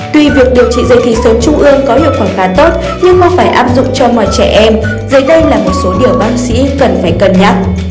tuy việc điều trị dạy trung ương có hiệu quả khá tốt nhưng mong phải áp dụng cho mọi trẻ em dưới đây là một số điều bác sĩ cần phải cân nhắc